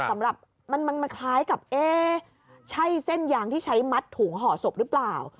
สำหรับมันคล้ายกับเอ๊ะใช่เส้นยางที่ใช้มัดถุงห่อศพหรือเปล่า